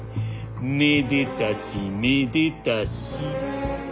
めでたしめでたし。